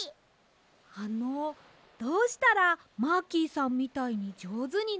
あのどうしたらマーキーさんみたいにじょうずになりますか？